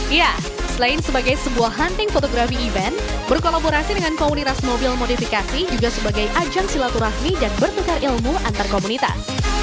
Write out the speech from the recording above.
ya selain sebagai sebuah hunting fotografi event berkolaborasi dengan komunitas mobil modifikasi juga sebagai ajang silaturahmi dan bertukar ilmu antar komunitas